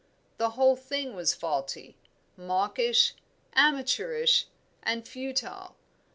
The whole thing was faulty, mawkish, amateurish, and futile.